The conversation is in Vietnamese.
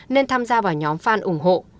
nên tham gia vào nhóm fan ủng hộ